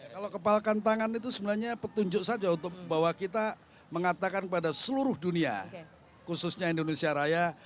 kalau kepalkan tangan itu sebenarnya petunjuk saja untuk bahwa kita mengatakan kepada seluruh dunia khususnya indonesia raya